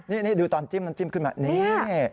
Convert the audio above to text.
เนี่ยมันดูตอนแจ้มมันแจ้มขึ้นมานี่